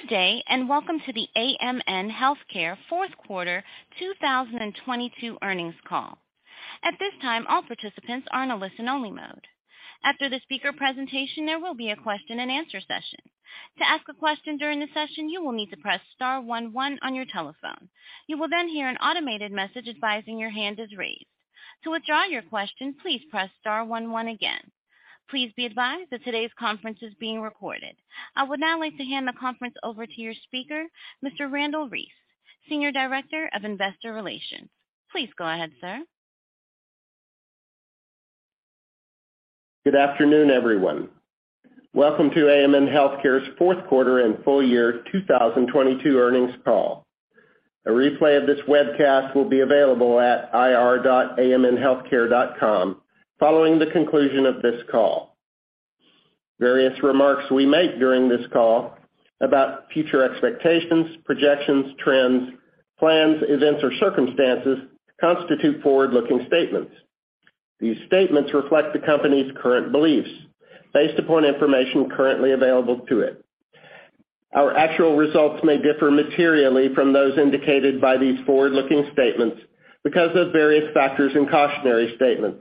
Good day, and welcome to the AMN Healthcare Q4 2022 Earnings Call. At this time, all participants are in a listen-only mode. After the speaker presentation, there will be a question-and-answer session. To ask a question during the session, you will need to press star one one on your telephone. You will then hear an automated message advising your hand is raised. To withdraw your question, please press star one one again. Please be advised that today's conference is being recorded. I would now like to hand the conference over to your speaker, Mr. Randle Reece, Senior Director of Investor Relations. Please go ahead, sir. Good afternoon, everyone. Welcome to AMN Healthcare's Q4 and full year 2022 earnings call. A replay of this webcast will be available at ir.amnhealthcare.com following the conclusion of this call. Various remarks we make during this call about future expectations, projections, trends, plans, events or circumstances constitute forward-looking statements. These statements reflect the company's current beliefs based upon information currently available to it. Our actual results may differ materially from those indicated by these forward-looking statements because of various factors and cautionary statements,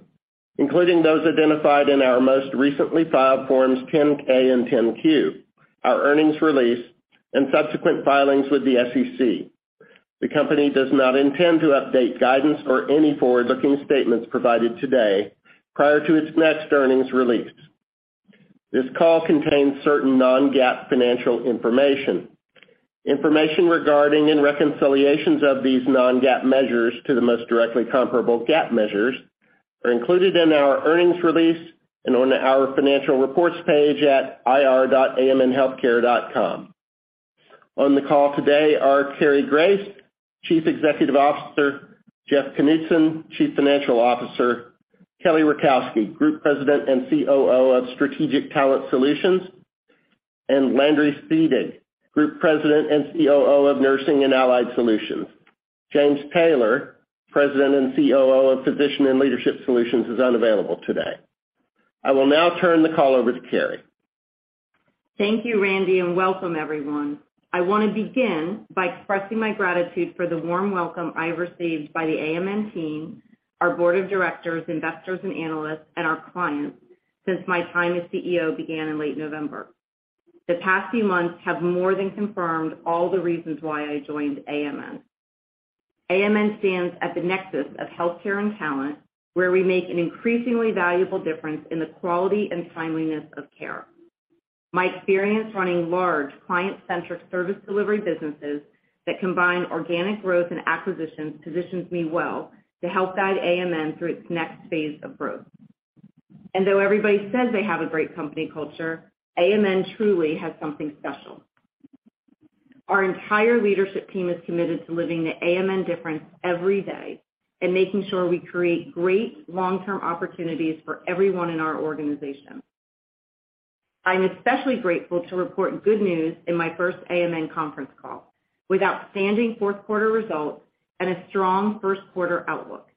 including those identified in our most recently filed Form 10-K and Form 10-Q, our earnings release and subsequent filings with the SEC. The company does not intend to update guidance or any forward-looking statements provided today prior to its next earnings release. This call contains certain non-GAAP financial information. Information regarding and reconciliations of these non-GAAP measures to the most directly comparable GAAP measures are included in our earnings release and on our financial reports page at ir.amnhealthcare.com. On the call today are Cary Grace, Chief Executive Officer, Jeff Knudson, Chief Financial Officer, Kelly Rakowski, Group President and COO of Strategic Talent Solutions, and Landry Seedig, Group President and COO of Nursing and Allied Solutions. James Taylor, President and COO of Physician and Leadership Solutions, is unavailable today. I will now turn the call over to Cary. Thank you, Randy. Welcome everyone. I want to begin by expressing my gratitude for the warm welcome I received by the AMN team, our board of directors, investors and analysts, and our clients since my time as CEO began in late November. The past few months have more than confirmed all the reasons why I joined AMN. AMN stands at the nexus of healthcare and talent, where we make an increasingly valuable difference in the quality and timeliness of care. My experience running large client-centric service delivery businesses that combine organic growth and acquisitions positions me well to help guide AMN through its next phase of growth. Though everybody says they have a great company culture, AMN truly has something special. Our entire leadership team is committed to living the AMN difference every day and making sure we create great long-term opportunities for everyone in our organization. I'm especially grateful to report good news in my first AMN Healthcare conference call with outstanding Q4 results and a strong Q1 outlook.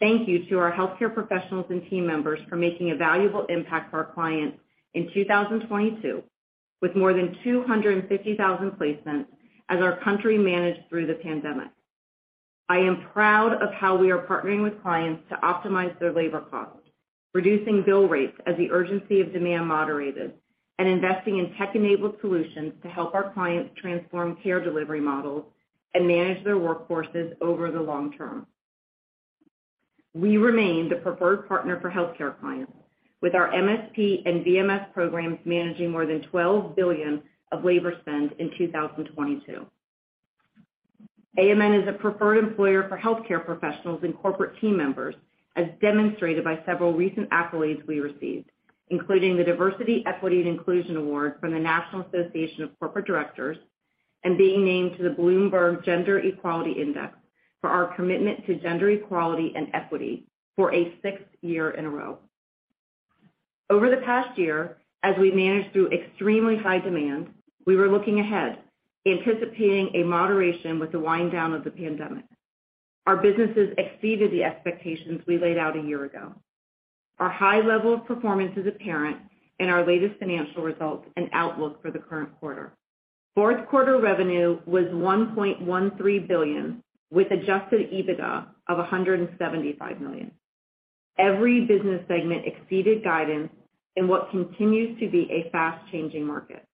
Thank you to our healthcare professionals and team members for making a valuable impact for our clients in 2022 with more than 250,000 placements as our country managed through the pandemic. I am proud of how we are partnering with clients to optimize their labor costs, reducing bill rates as the urgency of demand moderated, and investing in tech-enabled solutions to help our clients transform care delivery models and manage their workforces over the long term. We remain the preferred partner for healthcare clients with our MSP and VMS programs managing more than $12 billion of labor spend in 2022. AMN is a preferred employer for healthcare professionals and corporate team members, as demonstrated by several recent accolades we received, including the Diversity, Equity & Inclusion Award from the National Association of Corporate Directors and being named to the Bloomberg Gender-Equality Index for our commitment to gender equality and equity for a sixth year in a row. Over the past year, as we managed through extremely high demand, we were looking ahead, anticipating a moderation with the wind down of the pandemic. Our businesses exceeded the expectations we laid out a year ago. Our high level of performance is apparent in our latest financial results and outlook for the current quarter. Q4 revenue was $1.13 billion, with Adjusted EBITDA of $175 million. Every business segment exceeded guidance in what continues to be a fast-changing market.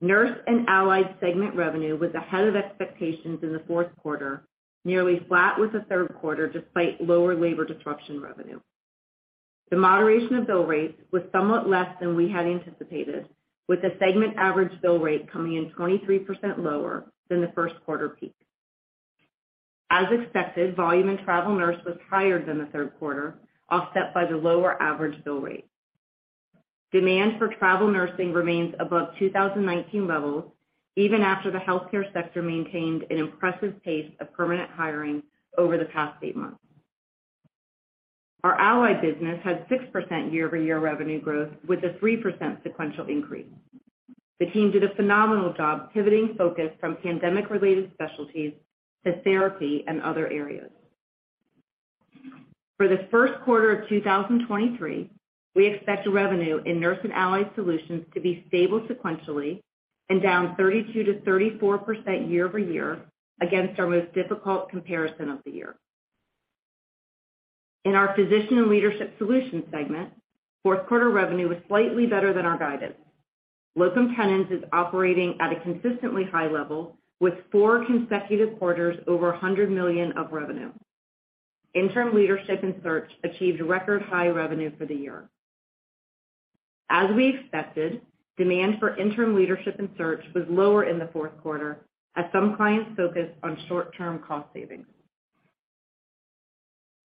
Nursing and Allied segment revenue was ahead of expectations in the Q4, nearly flat with the Q3, despite lower labor disruption revenue. The moderation of bill rates was somewhat less than we had anticipated, with the segment average bill rate coming in 23% lower than the Q1 peak. As expected, volume in travel nurse was higher than the Q3, offset by the lower average bill rate. Demand for travel nursing remains above 2019 levels even after the healthcare sector maintained an impressive pace of permanent hiring over the past eight months. Our allied business had 6% year-over-year revenue growth with a 3% sequential increase. The team did a phenomenal job pivoting focus from pandemic-related specialties to therapy and other areas. For the Q1 of 2023, we expect revenue in Nurse and Allied Solutions to be stable sequentially and down 32%-34% year-over-year against our most difficult comparison of the year. In our Physician and Leadership Solutions segment, Q4 revenue was slightly better than our guidance. Locum Tenens is operating at a consistently high level with 4 consecutive quarters over $100 million of revenue. Interim Leadership and Search achieved record high revenue for the year. As we expected, demand for Interim Leadership and Search was lower in the Q4 as some clients focused on short-term cost savings.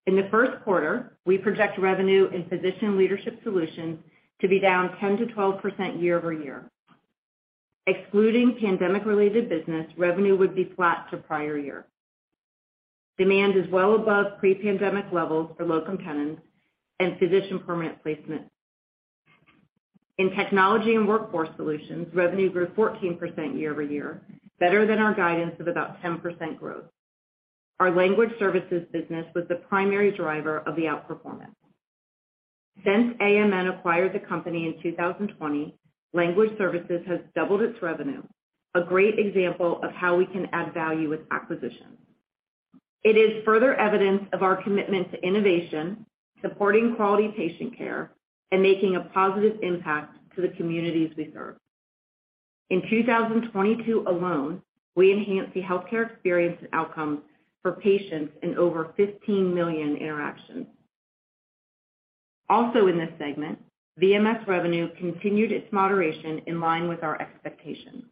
In the Q1, we project revenue in Physician and Leadership Solutions to be down 10%-12% year-over-year. Excluding pandemic-related business, revenue would be flat to prior year. Demand is well above pre-pandemic levels for Locum Tenens and Physician Permanent Placement. In Technology and Workforce Solutions, revenue grew 14% year-over-year, better than our guidance of about 10% growth. Our language services business was the primary driver of the outperformance. Since AMN acquired the company in 2020, language services has doubled its revenue, a great example of how we can add value with acquisitions. It is further evidence of our commitment to innovation, supporting quality patient care, and making a positive impact to the communities we serve. In 2022 alone, we enhanced the healthcare experience and outcomes for patients in over 15 million interactions. Also in this segment, VMS revenue continued its moderation in line with our expectations.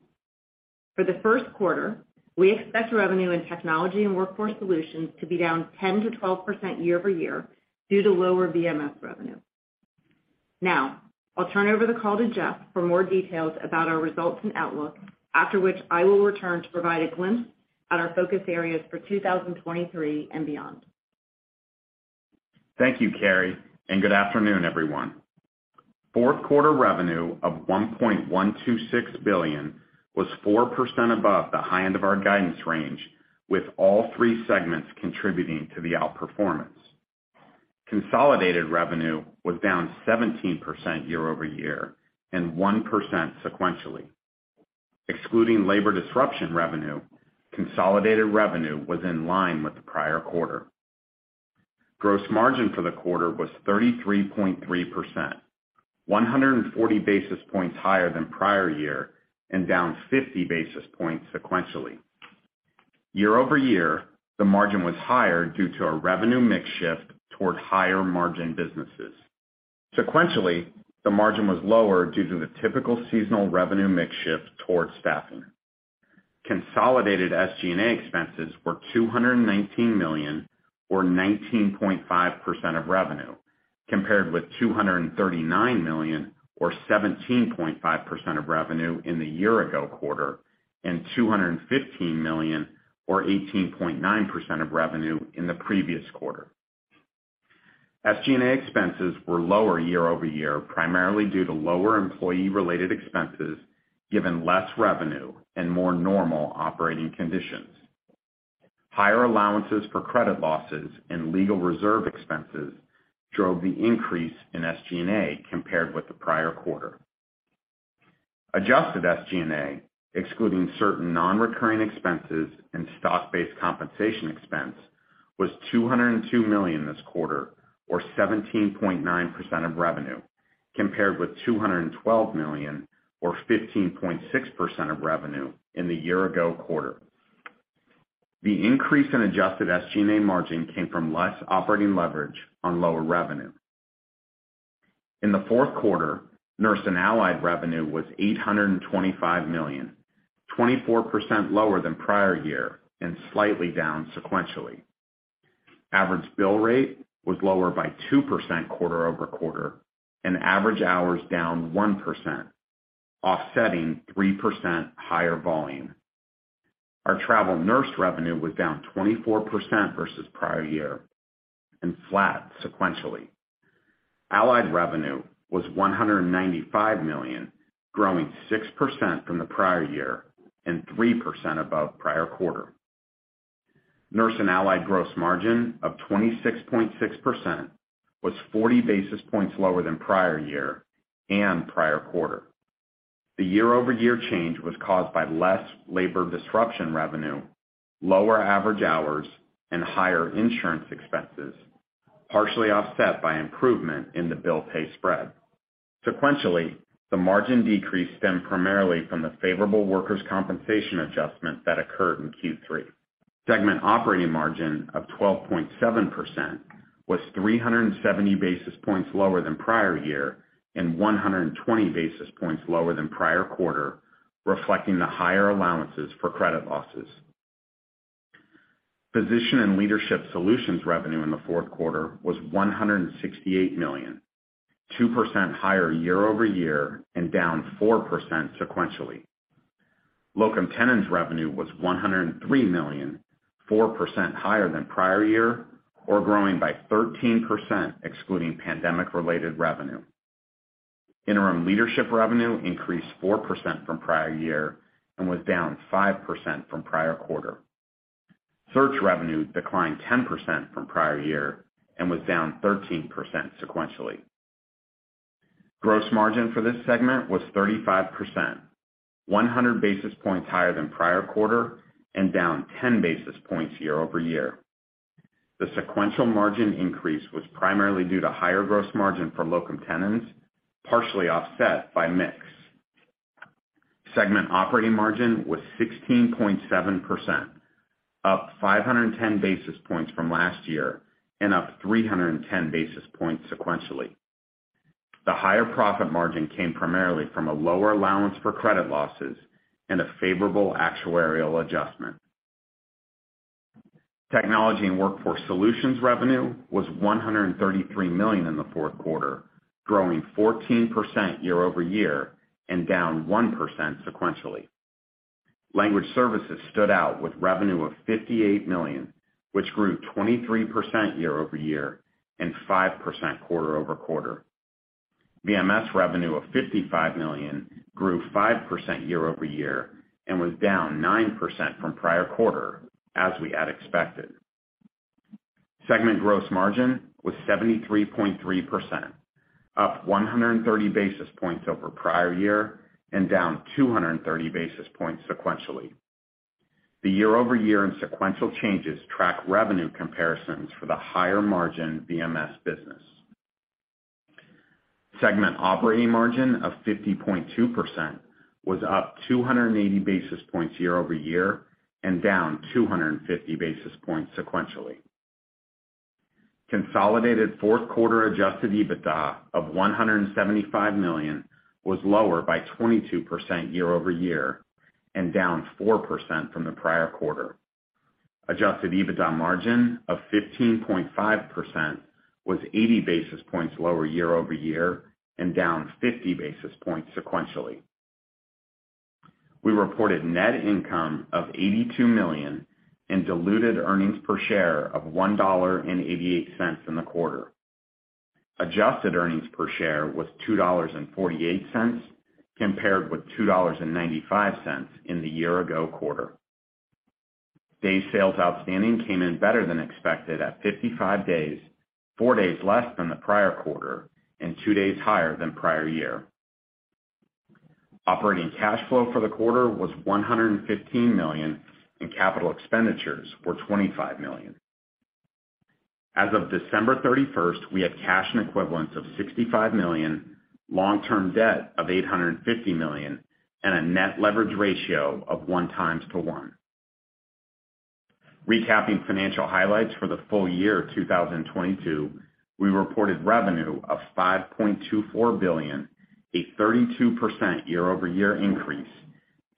For the Q1, we expect revenue in Technology and Workforce Solutions to be down 10%-12% year-over-year due to lower VMS revenue. I'll turn over the call to Jeff for more details about our results and outlook, after which I will return to provide a glimpse at our focus areas for 2023 and beyond. Thank you, Cary, and good afternoon, everyone. Q4 revenue of $1.126 billion was 4% above the high end of our guidance range, with all three segments contributing to the outperformance. Consolidated revenue was down 17% year-over-year and 1% sequentially. Excluding labor disruption revenue, consolidated revenue was in line with the prior quarter. Gross margin for the quarter was 33.3%, 140 basis points higher than prior year and down 50 basis points sequentially. Year-over-year, the margin was higher due to a revenue mix shift toward higher margin businesses. Sequentially, the margin was lower due to the typical seasonal revenue mix shift towards staffing. Consolidated SG&A expenses were $219 million or 19.5% of revenue, compared with $239 million or 17.5% of revenue in the year-ago quarter and $215 million or 18.9% of revenue in the previous quarter. SG&A expenses were lower year-over-year, primarily due to lower employee-related expenses given less revenue and more normal operating conditions. Higher allowances for credit losses and legal reserve expenses drove the increase in SG&A compared with the prior quarter. Adjusted SG&A, excluding certain non-recurring expenses and stock-based compensation expense, was $202 million this quarter or 17.9% of revenue, compared with $212 million or 15.6% of revenue in the year-ago quarter. The increase in adjusted SG&A margin came from less operating leverage on lower revenue. In the Q4, Nurse and Allied revenue was $825 million, 24% lower than prior year and slightly down sequentially. Average bill rate was lower by 2% quarter-over-quarter and average hours down 1%, offsetting 3% higher volume. Our travel nurse revenue was down 24% versus prior year and flat sequentially. Allied revenue was $195 million, growing 6% from the prior year and 3% above prior quarter. Nurse and Allied gross margin of 26.6% was 40 basis points lower than prior year and prior quarter. The year-over-year change was caused by less labor disruption revenue, lower average hours, and higher insurance expenses, partially offset by improvement in the bill-pay spread. Sequentially, the margin decrease stemmed primarily from the favorable workers' compensation adjustment that occurred in Q3. Segment operating margin of 12.7% was 370 basis points lower than prior year and 120 basis points lower than prior quarter, reflecting the higher allowances for credit losses. Physician and Leadership Solutions revenue in the Q4 was $168 million, 2% higher year-over-year and down 4% sequentially. Locum Tenens revenue was $103 million, 4% higher than prior year or growing by 13% excluding pandemic-related revenue. Interim Leadership revenue increased 4% from prior year and was down 5% from prior quarter. Search revenue declined 10% from prior year and was down 13% sequentially. Gross margin for this segment was 35%, 100 basis points higher than prior quarter and down 10 basis points year-over-year. The sequential margin increase was primarily due to higher gross margin for Locum Tenens, partially offset by mix. Segment operating margin was 16.7%, up 510 basis points from last year and up 310 basis points sequentially. The higher profit margin came primarily from a lower allowance for credit losses and a favorable actuarial adjustment. Technology and Workforce Solutions revenue was $133 million in the Q4, growing 14% year-over-year and down 1% sequentially. Language services stood out with revenue of $58 million, which grew 23% year-over-year and 5% quarter-over-quarter. VMS revenue of $55 million grew 5% year-over-year and was down 9% from prior quarter, as we had expected. Segment gross margin was 73.3%, up 130 basis points over prior year and down 230 basis points sequentially. The year-over-year and sequential changes track revenue comparisons for the higher margin VMS business. Segment operating margin of 50.2% was up 280 basis points year-over-year and down 250 basis points sequentially. Consolidated Q4 Adjusted EBITDA of $175 million was lower by 22% year-over-year and down 4% from the prior quarter. Adjusted EBITDA margin of 15.5% was 80 basis points lower year-over-year and down 50 basis points sequentially. We reported net income of $82 million and diluted earnings per share of $1.88 in the quarter. Adjusted earnings per share was $2.48, compared with $2.95 in the year-ago quarter. Days sales outstanding came in better than expected at 55 days, four days less than the prior quarter and two days higher than prior year. Operating cash flow for the quarter was $115 million, capital expenditures were $25 million. As of December 31st, we had cash and equivalents of $65 million, long-term debt of $850 million, and a net leverage ratio of 1x to 1. Recapping financial highlights for the full year of 2022, we reported revenue of $5.24 billion, a 32% year-over-year increase,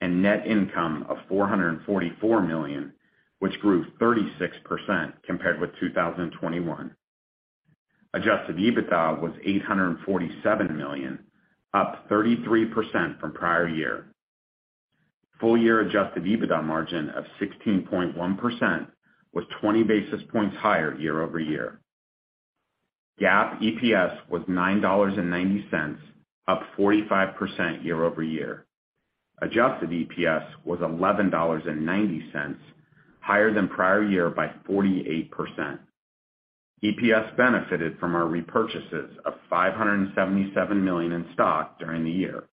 and net income of $444 million, which grew 36% compared with 2021. Adjusted EBITDA was $847 million, up 33% from prior year. Full year Adjusted EBITDA margin of 16.1% was 20 basis points higher year-over-year. GAAP EPS was $9.90, up 45% year-over-year. Adjusted EPS was $11.90, higher than prior year by 48%. EPS benefited from our repurchases of $577 million in stock during the year.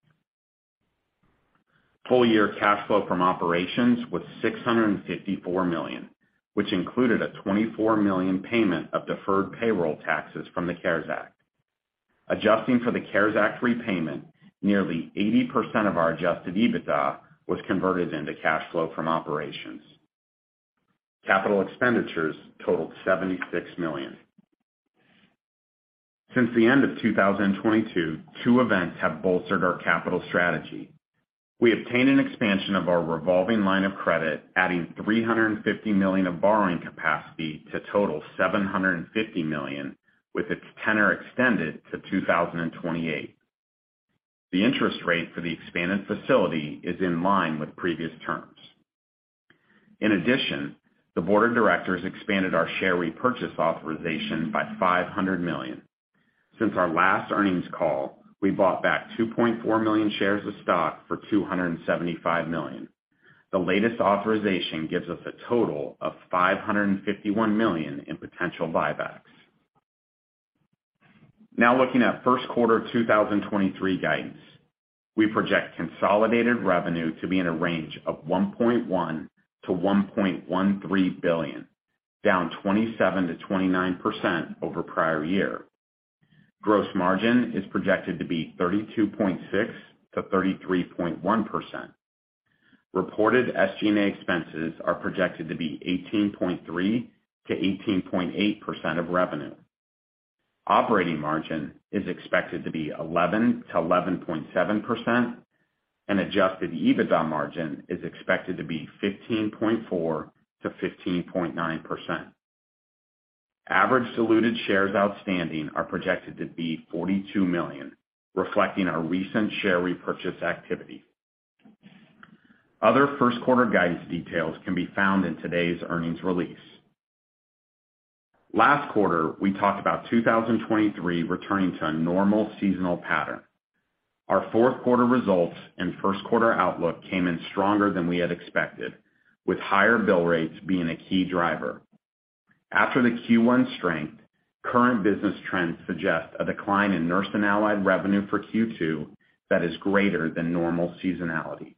Full year cash flow from operations was $654 million, which included a $24 million payment of deferred payroll taxes from the CARES Act. Adjusting for the CARES Act repayment, nearly 80% of our Adjusted EBITDA was converted into cash flow from operations. Capital expenditures totaled $76 million. Since the end of 2022, two events have bolstered our capital strategy. We obtained an expansion of our revolving line of credit, adding $350 million of borrowing capacity to total $750 million, with its tenor extended to 2028. The interest rate for the expanded facility is in line with previous terms. In addition, the board of directors expanded our share repurchase authorization by $500 million. Since our last earnings call, we bought back 2.4 million shares of stock for $275 million. The latest authorization gives us a total of $551 million in potential buybacks. Now looking at Q1 2023 guidance. We project consolidated revenue to be in a range of $1.1 billion-$1.13 billion, down 27%-29% over prior year. Gross margin is projected to be 32.6%-33.1%. Reported SG&A expenses are projected to be 18.3%-18.8% of revenue. Operating margin is expected to be 11%-11.7%, and Adjusted EBITDA margin is expected to be 15.4%-15.9%. Average diluted shares outstanding are projected to be $42 million, reflecting our recent share repurchase activity. Other Q1 guidance details can be found in today's earnings release. Last quarter, we talked about 2023 returning to a normal seasonal pattern. Our Q4 results and Q1 outlook came in stronger than we had expected, with higher bill rates being a key driver. After the Q1 strength, current business trends suggest a decline in nurse and allied revenue for Q2 that is greater than normal seasonality.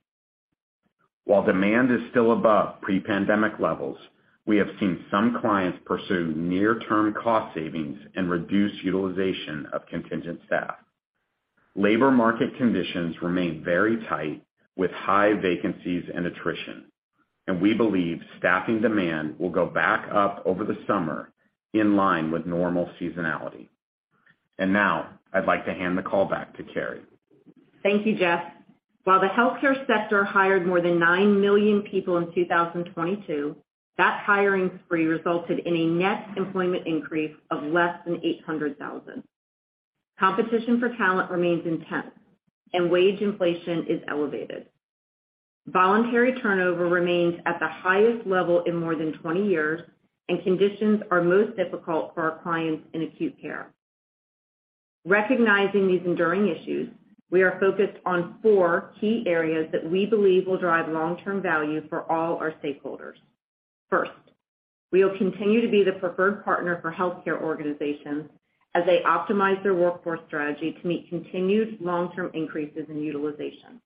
While demand is still above pre-pandemic levels, we have seen some clients pursue near-term cost savings and reduce utilization of contingent staff. Labor market conditions remain very tight, with high vacancies and attrition, and we believe staffing demand will go back up over the summer in line with normal seasonality. Now I'd like to hand the call back to Cary. Thank you, Jeff. While the healthcare sector hired more than nine million people in 2022, that hiring spree resulted in a net employment increase of less than 800,000. Competition for talent remains intense, and wage inflation is elevated. Voluntary turnover remains at the highest level in more than 20 years, and conditions are most difficult for our clients in acute care. Recognizing these enduring issues, we are focused on four key areas that we believe will drive long-term value for all our stakeholders. First, we will continue to be the preferred partner for healthcare organizations as they optimize their workforce strategy to meet continued long-term increases in utilization.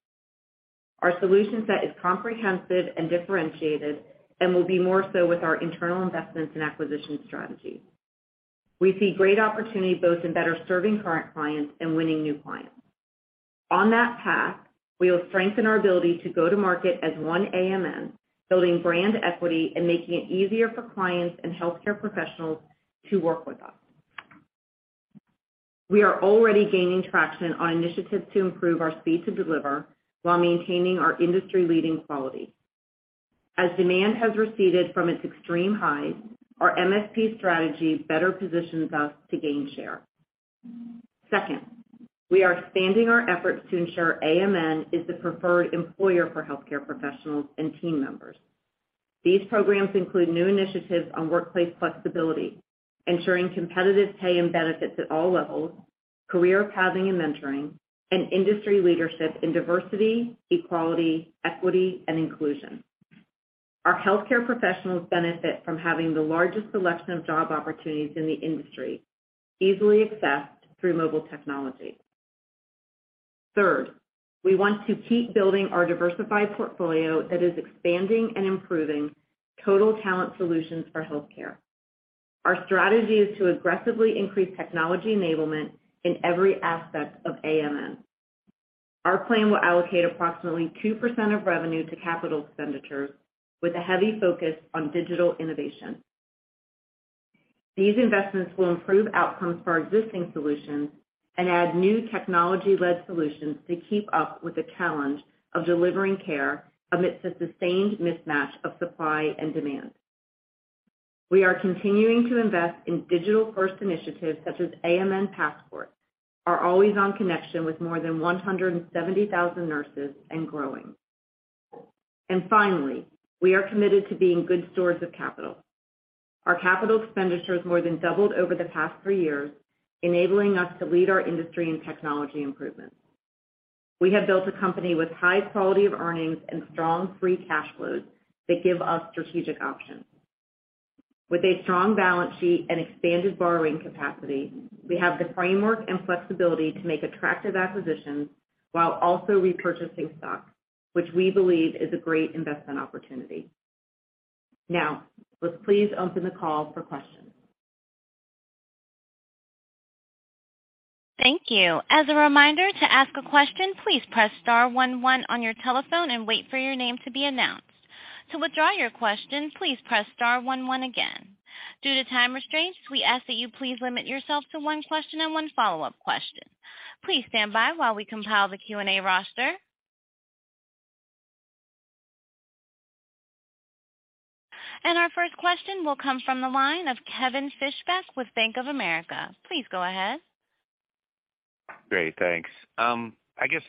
Our solution set is comprehensive and differentiated and will be more so with our internal investments and acquisition strategy. We see great opportunity both in better serving current clients and winning new clients. On that path, we will strengthen our ability to go to market as one AMN, building brand equity and making it easier for clients and healthcare professionals to work with us. We are already gaining traction on initiatives to improve our speed to deliver while maintaining our industry-leading quality. As demand has receded from its extreme highs, our MSP strategy better positions us to gain share. Second, we are expanding our efforts to ensure AMN is the preferred employer for healthcare professionals and team members. These programs include new initiatives on workplace flexibility, ensuring competitive pay and benefits at all levels, career pathing and mentoring, and industry leadership in diversity, equality, equity, and inclusion. Our healthcare professionals benefit from having the largest selection of job opportunities in the industry, easily accessed through mobile technology. We want to keep building our diversified portfolio that is expanding and improving total talent solutions for healthcare. Our strategy is to aggressively increase technology enablement in every aspect of AMN. Our plan will allocate approximately 2% of revenue to capital expenditures with a heavy focus on digital innovation. These investments will improve outcomes for our existing solutions and add new technology-led solutions to keep up with the challenge of delivering care amidst a sustained mismatch of supply and demand. We are continuing to invest in digital-first initiatives such as AMN Passport, our always-on connection with more than 170,000 nurses and growing. Finally, we are committed to being good stewards of capital. Our capital expenditures more than doubled over the past three years, enabling us to lead our industry in technology improvements. We have built a company with high quality of earnings and strong free cash flows that give us strategic options. With a strong balance sheet and expanded borrowing capacity, we have the framework and flexibility to make attractive acquisitions while also repurchasing stock, which we believe is a great investment opportunity. Now, let's please open the call for questions. Thank you. As a reminder, to ask a question, please press star one one on your telephone and wait for your name to be announced. To withdraw your question, please press star one one again. Due to time restraints, we ask that you please limit yourself to one question and one follow-up question. Please stand by while we compile the Q&A roster. Our first question will come from the line of Kevin Fischbeck with Bank of America. Please go ahead. Great. Thanks. I guess,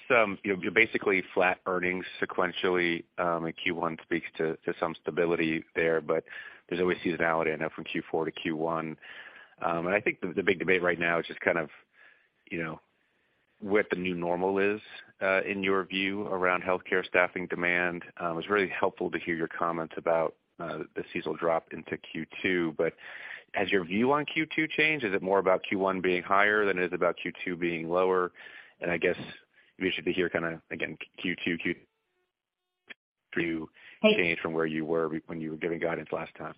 you know, basically flat earnings sequentially in Q1 speaks to some stability there, but there's always seasonality in it from Q4 to Q1. I think the big debate right now is just kind of, you know, what the new normal is, in your view around healthcare staffing demand. It was really helpful to hear your comments about the seasonal drop into Q2. Has your view on Q2 changed? Is it more about Q1 being higher than it is about Q2 being lower? I guess we should be here kinda, again, Q2, Q3 change from where you were when you were giving guidance last time.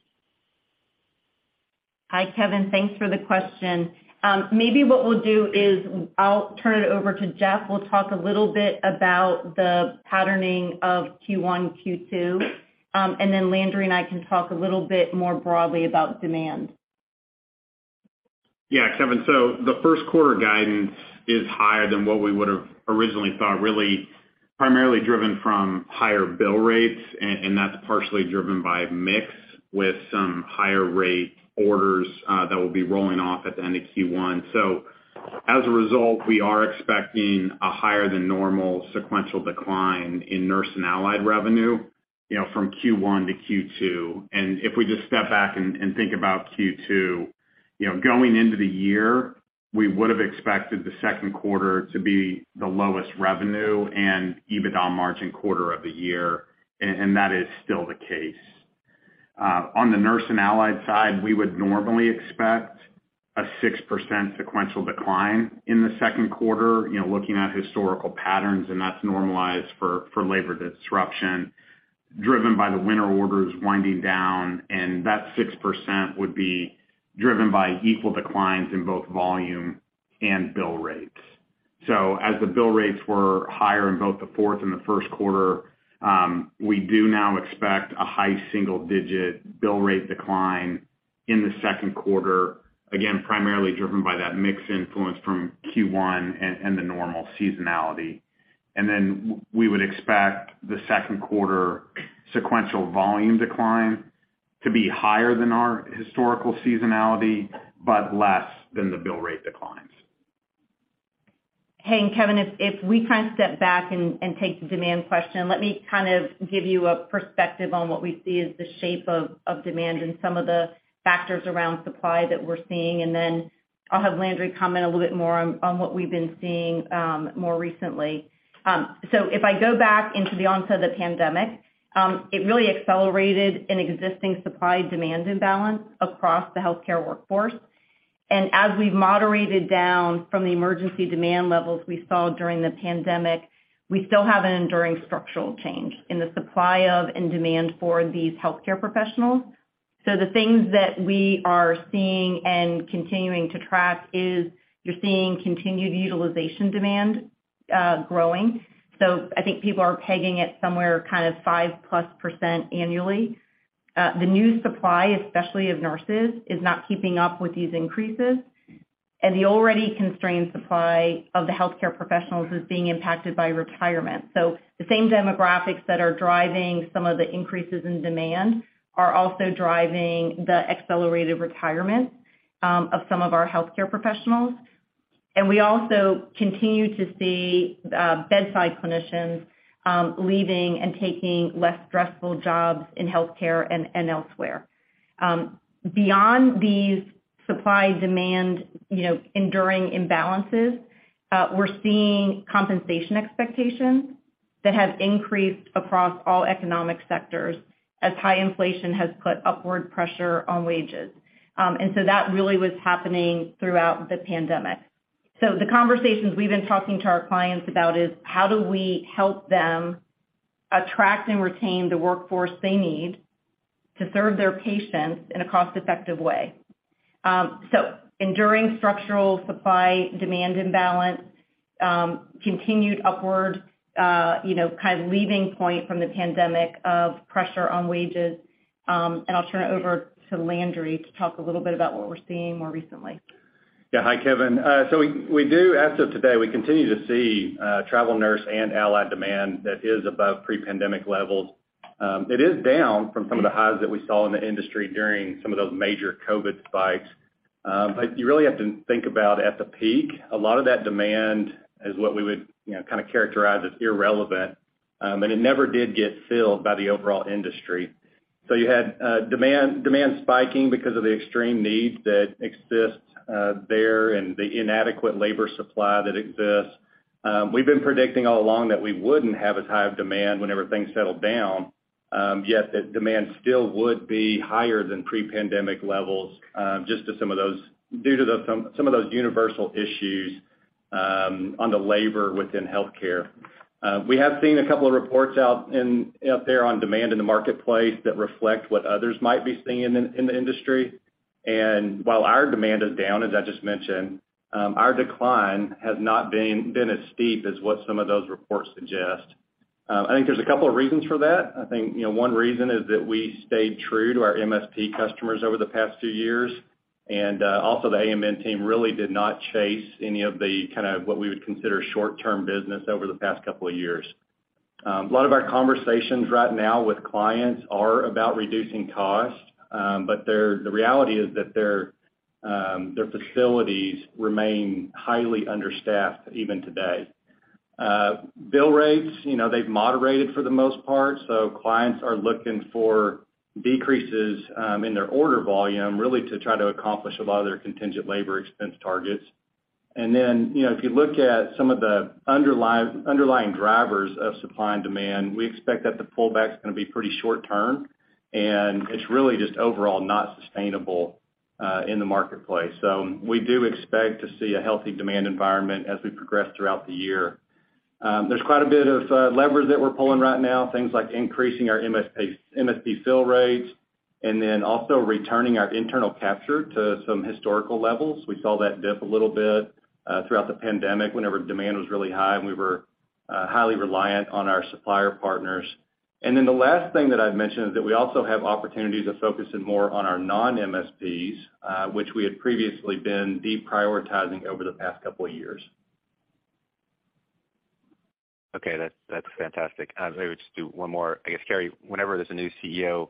Hi, Kevin. Thanks for the question. Maybe what we'll do is I'll turn it over to Jeff, who'll talk a little bit about the patterning of Q1, Q2, and then Landry and I can talk a little bit more broadly about demand. Yeah, Kevin. The Q1 guidance is higher than what we would've originally thought, really primarily driven from higher bill rates, and that's partially driven by mix with some higher rate orders that will be rolling off at the end of Q1. As a result, we are expecting a higher than normal sequential decline in nurse and allied revenue, you know, from Q1 to Q2. If we just step back and think about Q2, you know, going into the year, we would've expected the Q2 to be the lowest revenue and EBITDA margin quarter of the year, and that is still the case. On the Nurse and Allied side, we would normally expect a 6% sequential decline in the Q2, you know, looking at historical patterns. That's normalized for labor disruption driven by the winter orders winding down, and that 6% would be driven by equal declines in both volume and bill rates. As the bill rates were higher in both the Q4 and the Q1, we do now expect a high single-digit bill rate decline in the Q2, again, primarily driven by that mix influence from Q1 and the normal seasonality. Then we would expect the Q2 sequential volume decline to be higher than our historical seasonality, but less than the bill rate declines. Hey, Kevin, if we step back and take the demand question, let me kind of give you a perspective on what we see as the shape of demand and some of the factors around supply that we're seeing, then I'll have Landry comment a little bit more on what we've been seeing more recently. If I go back into the onset of the pandemic, it really accelerated an existing supply-demand imbalance across the healthcare workforce. As we've moderated down from the emergency demand levels we saw during the pandemic, we still have an enduring structural change in the supply of and demand for these healthcare professionals. The things that we are seeing and continuing to track is you're seeing continued utilization demand growing. I think people are pegging it somewhere kind of 5+% annually. The new supply, especially of nurses, is not keeping up with these increases. The already constrained supply of the healthcare professionals is being impacted by retirement. The same demographics that are driving some of the increases in demand are also driving the accelerated retirement of some of our healthcare professionals. We also continue to see bedside clinicians leaving and taking less stressful jobs in healthcare and elsewhere. Beyond these supply-demand, you know, enduring imbalances, we're seeing compensation expectations that have increased across all economic sectors as high inflation has put upward pressure on wages. That really was happening throughout the pandemic. The conversations we've been talking to our clients about is, how do we help them attract and retain the workforce they need to serve their patients in a cost-effective way? Enduring structural supply-demand imbalance, continued upward, you know, kind of leaving point from the pandemic of pressure on wages. I'll turn it over to Landry to talk a little bit about what we're seeing more recently. Yeah. Hi, Kevin. We do as of today, we continue to see travel nurse and allied demand that is above pre-pandemic levels. It is down from some of the highs that we saw in the industry during some of those major COVID spikes. You really have to think about at the peak, a lot of that demand is what we would, you know, kind of characterize as irrelevant, and it never did get filled by the overall industry. You had demand spiking because of the extreme needs that exist there and the inadequate labor supply that exists. We've been predicting all along that we wouldn't have as high of demand whenever things settled down, yet the demand still would be higher than pre-pandemic levels, due to some of those universal issues on the labor within healthcare. We have seen a couple of reports out there on demand in the marketplace that reflect what others might be seeing in the industry. While our demand is down, as I just mentioned, our decline has not been as steep as what some of those reports suggest. I think there's a couple reasons for that. I think, you know, one reason is that we stayed true to our MSP customers over the past two years. Also the AMN team really did not chase any of the kind of what we would consider short-term business over the past couple of years. A lot of our conversations right now with clients are about reducing costs, but the reality is that their facilities remain highly understaffed even today. Bill rates, you know, they've moderated for the most part, clients are looking for decreases in their order volume really to try to accomplish a lot of their contingent labor expense targets. You know, if you look at some of the underlying drivers of supply and demand, we expect that the pullback's gonna be pretty short-term, and it's really just overall not sustainable in the marketplace. We do expect to see a healthy demand environment as we progress throughout the year. There's quite a bit of levers that we're pulling right now, things like increasing our MSP fill rates and then also returning our internal capture to some historical levels. We saw that dip a little bit throughout the pandemic whenever demand was really high and we were highly reliant on our supplier partners. The last thing that I'd mention is that we also have opportunities of focusing more on our non-MSPs, which we had previously been deprioritizing over the past couple of years. Okay, that's fantastic. I would just do one more, I guess, Cary, whenever there's a new CEO,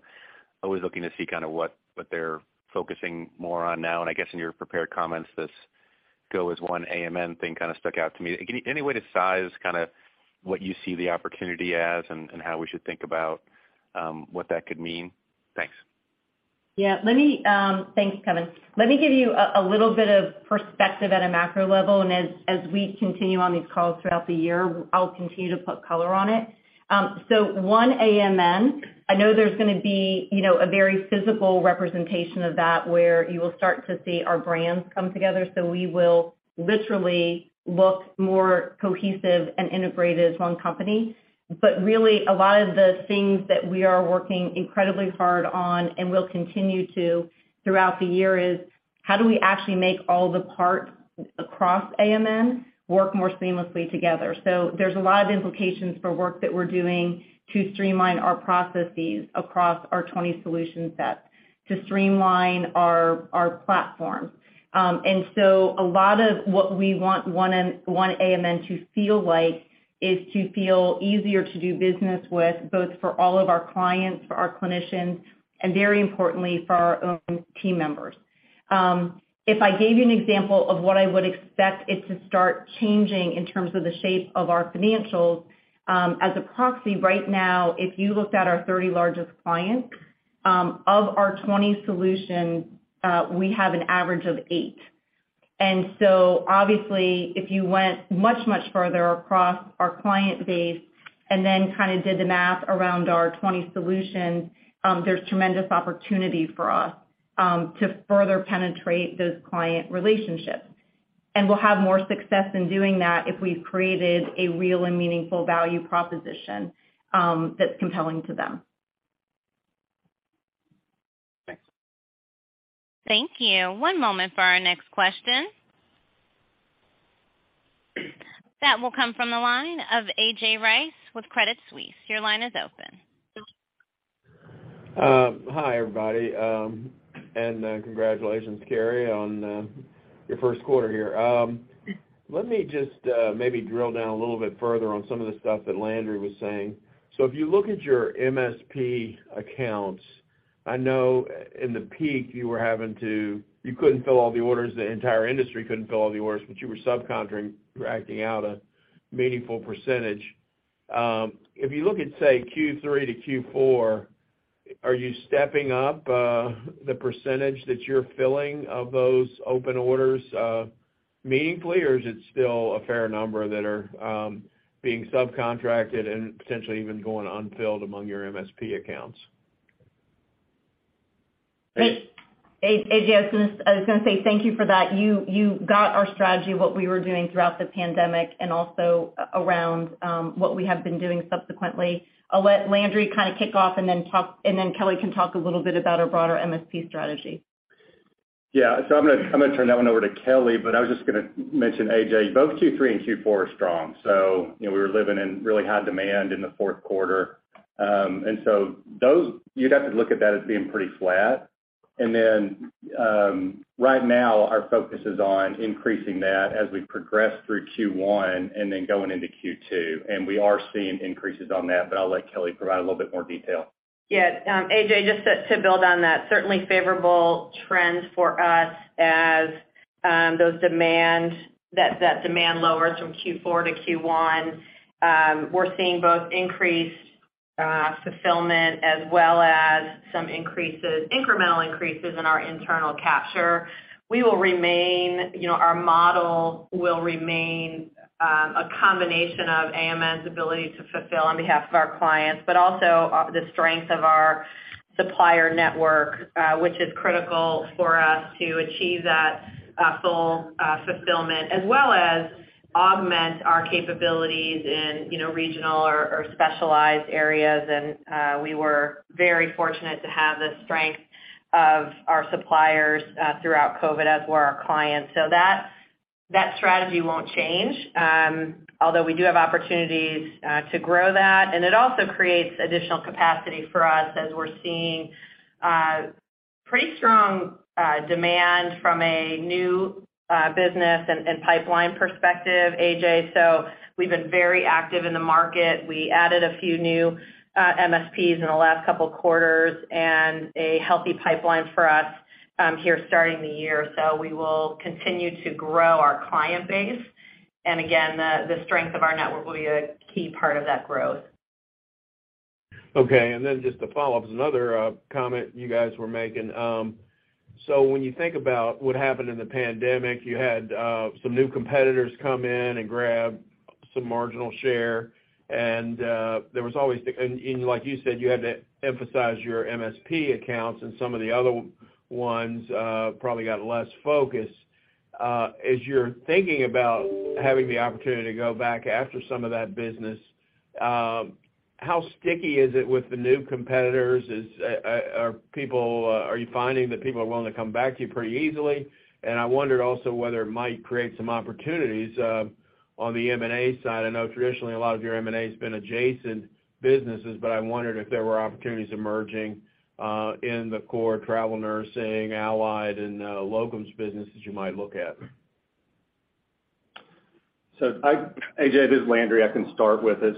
always looking to see kind of what they're focusing more on now. I guess in your prepared comments, this go as one AMN thing kind of stuck out to me. Any way to size kind of what you see the opportunity as and how we should think about what that could mean? Thanks. Let me, thanks, Kevin. Let me give you a little bit of perspective at a macro level. As we continue on these calls throughout the year, I'll continue to put color on it. One AMN, I know there's gonna be, you know, a very physical representation of that, where you will start to see our brands come together. We will literally look more cohesive and integrated as one company. Really a lot of the things that we are working incredibly hard on and will continue to throughout the year is how do we actually make all the parts across AMN work more seamlessly together. There's a lot of implications for work that we're doing to streamline our processes across our 20 solution sets, to streamline our platform. A lot of what we want one AMN to feel like is to feel easier to do business with, both for all of our clients, for our clinicians, and very importantly for our own team members. If I gave you an example of what I would expect it to start changing in terms of the shape of our financials, as a proxy right now, if you looked at our 30 largest clients, of our 20 solutions, we have an average of eight. Obviously, if you went much, much further across our client base and then kind of did the math around our 20 solutions, there's tremendous opportunity for us to further penetrate those client relationships. We'll have more success in doing that if we've created a real and meaningful value proposition, that's compelling to them. Thanks. Thank you. One moment for our next question. That will come from the line of A.J. Rice with Credit Suisse. Your line is open. Hi, everybody. Congratulations, Cary, on your Q1 here. Let me just maybe drill down a little bit further on some of the stuff that Landry was saying. If you look at your MSP accounts, I know in the peak, you couldn't fill all the orders, the entire industry couldn't fill all the orders, but you were subcontracting, contracting out a meaningful percentage. If you look at, say, Q3 to Q4, are you stepping up the percentage that you're filling of those open orders meaningfully, or is it still a fair number that are being subcontracted and potentially even going unfilled among your MSP accounts? A.J. Rice, I was gonna say thank you for that. You got our strategy, what we were doing throughout the pandemic and also around what we have been doing subsequently. I'll let Landry Seedig kind of kick off and then talk, and then Kelly Rakowski can talk a little bit about our broader MSP strategy. I'm gonna turn that one over to Kelly, but I was just gonna mention, A.J., both Q3 and Q4 are strong. You know, we were living in really high demand in the Q4. Those you'd have to look at that as being pretty flat. Right now, our focus is on increasing that as we progress through Q1 going into Q2, and we are seeing increases on that, but I'll let Kelly provide a little bit more detail. Yeah. A.J., just to build on that, certainly favorable trends for us as those demand, that demand lowers from Q4 to Q1. We're seeing both increased fulfillment as well as some increases, incremental increases in our internal capture. We will remain, you know, our model will remain a combination of AMN's ability to fulfill on behalf of our clients, but also the strength of our supplier network, which is critical for us to achieve that full fulfillment as well as augment our capabilities in, you know, regional or specialized areas. We were very fortunate to have the strength of our suppliers throughout COVID, as were our clients. That, that strategy won't change, although we do have opportunities to grow that. It also creates additional capacity for us as we're seeing pretty strong demand from a new business and pipeline perspective, A.J. We've been very active in the market. We added a few new MSPs in the last couple of quarters and a healthy pipeline for us here starting the year. We will continue to grow our client base. Again, the strength of our network will be a key part of that growth. Okay. Just to follow up, another comment you guys were making. When you think about what happened in the pandemic, you had some new competitors come in and grab some marginal share. There was always like you said, you had to emphasize your MSP accounts and some of the other ones probably got less focus. As you're thinking about having the opportunity to go back after some of that business, how sticky is it with the new competitors? Are you finding that people are willing to come back to you pretty easily? I wondered also whether it might create some opportunities on the M&A side. I know traditionally a lot of your M&A has been adjacent businesses, but I wondered if there were opportunities emerging, in the core travel Nursing, Allied and, Locums businesses you might look at. A.J., this is Landry, I can start with it.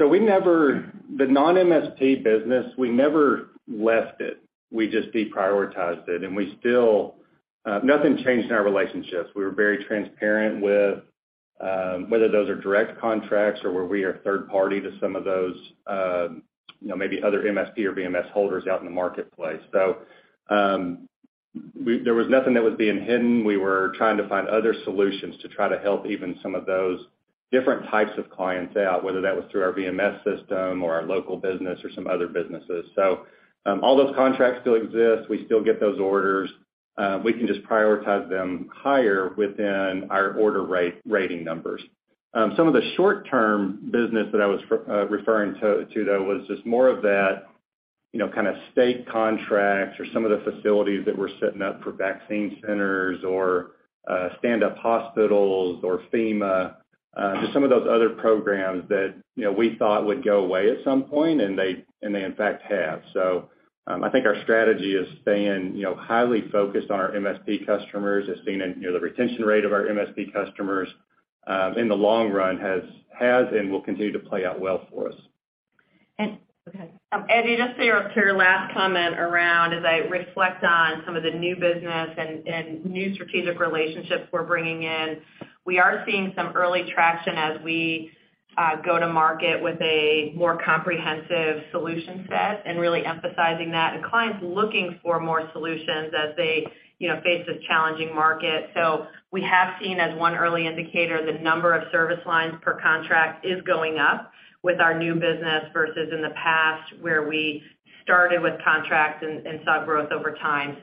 The non-MSP business, we never left it. We just deprioritized it. We still, nothing changed in our relationships. We were very transparent with, whether those are direct contracts or where we are third party to some of those, you know, maybe other MSP or VMS holders out in the marketplace. There was nothing that was being hidden. We were trying to find other solutions to try to help even some of those different types of clients out, whether that was through our VMS system or our local business or some other businesses. All those contracts still exist. We still get those orders. We can just prioritize them higher within our order rating numbers. Some of the short-term business that I was referring to though was just more of that, you know, kind of state contracts or some of the facilities that we're setting up for vaccine centers or standup hospitals or FEMA, just some of those other programs that, you know, we thought would go away at some point, and they, in fact, have. I think our strategy is staying, you know, highly focused on our MSP customers, has seen, you know, the retention rate of our MSP customers, in the long run has and will continue to play out well for us. A.J. Rice, just to your, to your last comment around as I reflect on some of the new business and new strategic relationships we're bringing in, we are seeing some early traction as we go to market with a more comprehensive solution set and really emphasizing that, and clients looking for more solutions as they, you know, face this challenging market. We have seen as one early indicator, the number of service lines per contract is going up with our new business versus in the past where we started with contracts and saw growth over time.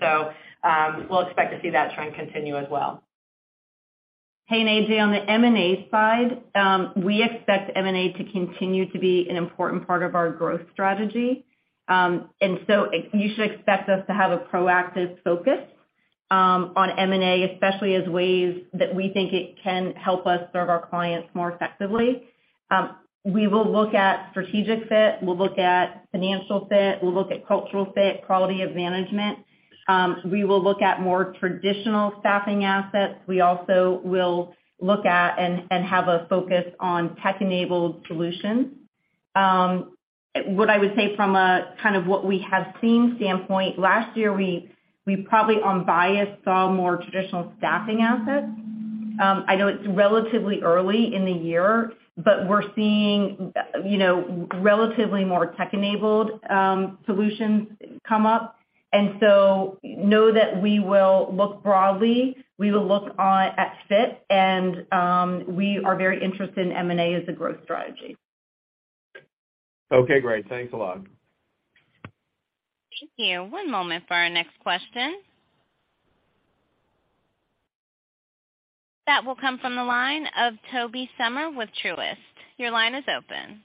We'll expect to see that trend continue as well. Hey, A.J., on the M&A side, we expect M&A to continue to be an important part of our growth strategy. So you should expect us to have a proactive focus on M&A, especially as ways that we think it can help us serve our clients more effectively. We will look at strategic fit, we'll look at financial fit, we'll look at cultural fit, quality of management. We will look at more traditional staffing assets. We also will look at and have a focus on tech-enabled solutions. What I would say from a kind of what we have seen standpoint, last year, we probably unbiased saw more traditional staffing assets. I know it's relatively early in the year, but we're seeing, you know, relatively more tech-enabled solutions come up. Know that we will look broadly, we will look at fit, and we are very interested in M&A as a growth strategy. Okay, great. Thanks a lot. Thank you. One moment for our next question. That will come from the line of Tobey Sommer with Truist. Your line is open.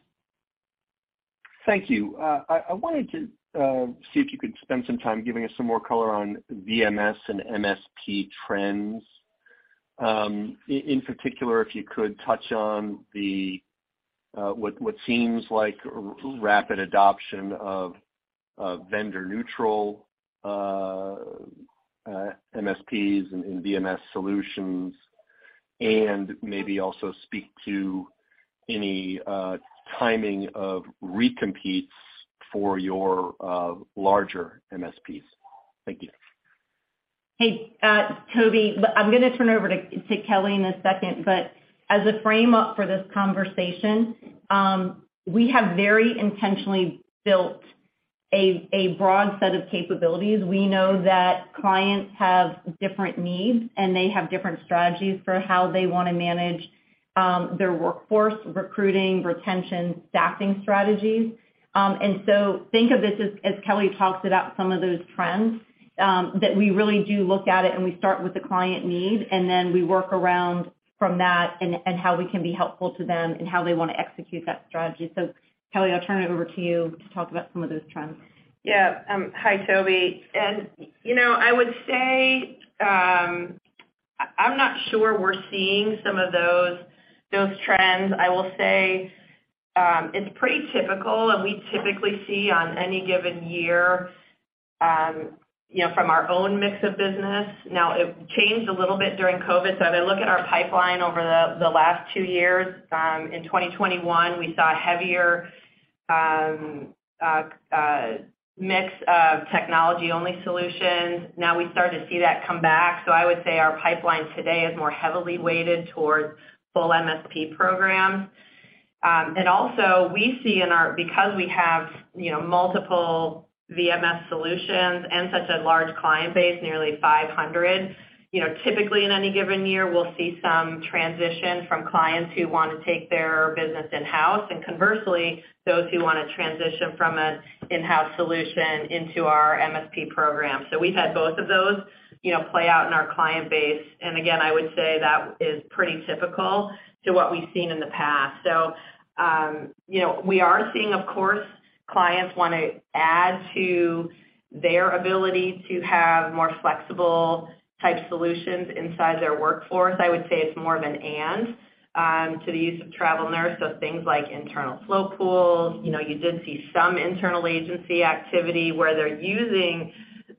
Thank you. I wanted to see if you could spend some time giving us some more color on VMS and MSP trends. In particular, if you could touch on the what seems like rapid adoption of vendor-neutral MSPs and VMS solutions, and maybe also speak to any timing of recompetes for your larger MSPs. Thank you. Hey, Toby, I'm gonna turn it over to Kelly in a second. As a frame up for this conversation, we have very intentionally built a broad set of capabilities. We know that clients have different needs, and they have different strategies for how they wanna manage their workforce, recruiting, retention, staffing strategies. Think of this as Kelly talks about some of those trends, that we really do look at it, and we start with the client need, and then we work around from that and how we can be helpful to them and how they wanna execute that strategy. Kelly, I'll turn it over to you to talk about some of those trends. Yeah. Hi, Toby. You know, I would say, I'm not sure we're seeing some of those trends. I will say, it's pretty typical, we typically see on any given year, you know, from our own mix of business. It changed a little bit during COVID. As I look at our pipeline over the last two years, in 2021, we saw a heavier mix of technology-only solutions. We start to see that come back. I would say our pipeline today is more heavily weighted towards full MSP programs. Also we see in our because we have, you know, multiple VMS solutions and such a large client base, nearly 500, you know, typically in any given year, we'll see some transition from clients who wanna take their business in-house, and conversely, those who wanna transition from an in-house solution into our MSP program. We've had both of those, you know, play out in our client base. Again, I would say that is pretty typical to what we've seen in the past. You know, we are seeing, of course, clients wanna add to their ability to have more flexible type solutions inside their workforce. I would say it's more of an and to the use of travel nurse, so things like internal float pools. You know, you did see some internal agency activity where they're using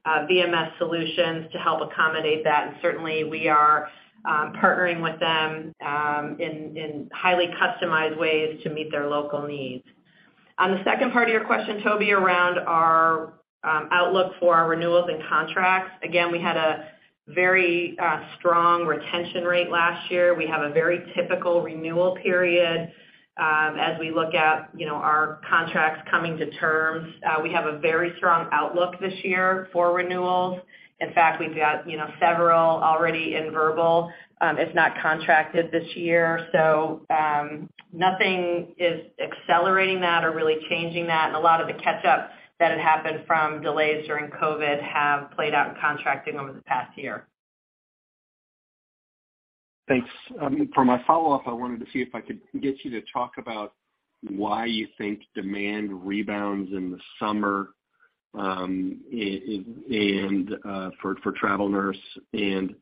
VMS solutions to help accommodate that. Certainly, we are partnering with them in highly customized ways to meet their local needs. On the second part of your question, Toby, around our outlook for our renewals and contracts. We had a very strong retention rate last year. We have a very typical renewal period. As we look at, you know, our contracts coming to terms, we have a very strong outlook this year for renewals. In fact, we've got, you know, several already in verbal if not contracted this year. Nothing is accelerating that or really changing that. A lot of the catch-up that had happened from delays during COVID have played out in contracting over the past year. Thanks. For my follow-up, I wanted to see if I could get you to talk about why you think demand rebounds in the summer, and for travel nurse, and